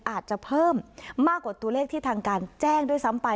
อาจจะเพิ่มมากกว่าตัวเลขที่ทางการแจ้งด้วยซ้ำไป